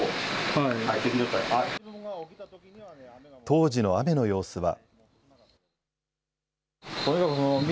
当時の雨の様子は。